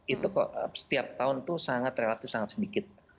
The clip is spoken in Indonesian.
itu kok setiap tahun itu sangat relatif sangat sedikit